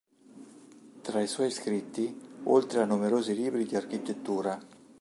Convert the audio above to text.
Tra i suoi scritti, oltre a numerosi libri di architettura.